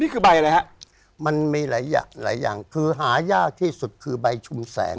นี่คือใบอะไรฮะมันมีหลายอย่างหลายอย่างคือหายากที่สุดคือใบชุมแสง